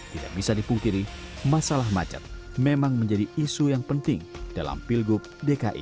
tidak bisa dipungkiri masalah macet memang menjadi isu yang penting dalam pilgub dki dua ribu dua puluh